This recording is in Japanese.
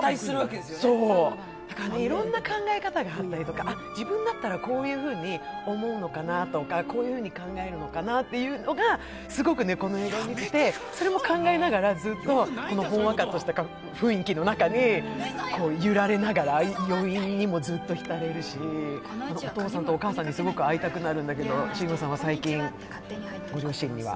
だからいろんな考え方があったりとかこういうふうに考えるのかなというのがすごくこの映画を見ててそれも考えながらずっとほんわかとした雰囲気に酔いながら余韻にもずっとひたれるし、お父さんとお母さんにすごく会いたくなるんだけど、慎吾さんは最近、ご両親には？